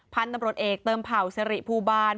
พันธุ์ตำรวจเอกเติมเผ่าสิริภูบาล